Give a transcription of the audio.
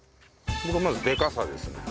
僕はまずでかさですね。